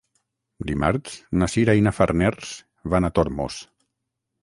Dimarts na Sira i na Farners van a Tormos.